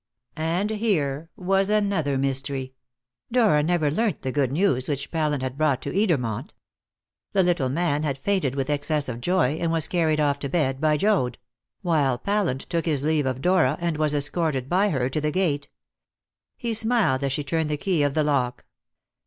And here was another mystery: Dora never learnt the good news which Pallant had brought to Edermont. The little man had fainted with excess of joy, and was carried off to bed by Joad; while Pallant took his leave of Dora, and was escorted by her to the gate. He smiled as she turned the key of the lock.